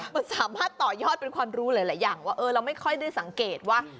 มันสามารถต่อยอดเป็นความรู้หลายอย่างว่าเราไม่ค่อยได้สังเกตว่า